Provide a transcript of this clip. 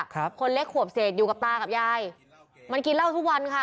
คนเล็กขวบเศษอยู่กับตากับยายมันกินเหล้าทุกวันค่ะ